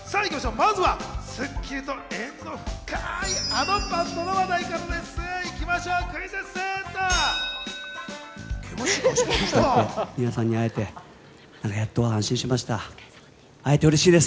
まずは『スッキリ』と縁の深いあのバンドの話題からです。